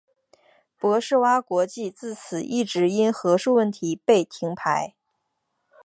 博士蛙国际自此一直因核数问题被停牌。